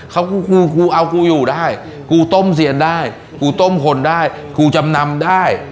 เขากูครูเอากูอยู่ได้กูต้มเซียนได้กูต้มคนได้ครูจำนำได้